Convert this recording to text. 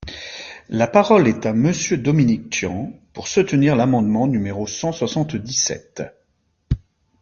La parole est à Monsieur Dominique Tian, pour soutenir l’amendement numéro cent soixante-dix-sept.